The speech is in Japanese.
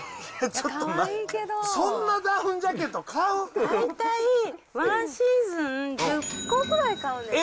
そんなダウンジャケット買う大体、ワンシーズン１０個ぐらい買うんですよ。